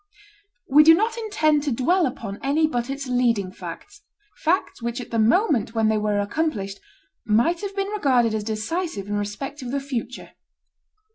We do not intend to dwell upon any but its leading facts, facts which at the moment when they were accomplished might have been regarded as decisive in respect of the future.